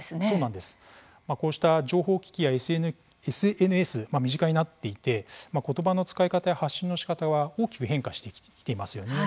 こうした情報機器やＳＮＳが身近になっていて言葉の使い方や発信のしかたが大きく変化してきていますよね。